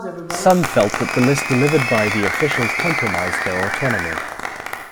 Some felt that the list delivered by the officials compromised their autonomy.